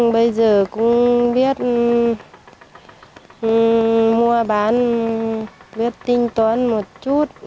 bây giờ cũng biết mua bán biết tính toán một chút